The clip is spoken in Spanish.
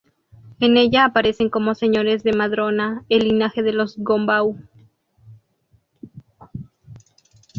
En ella aparecen como señores de Madrona el linaje de los Gombau.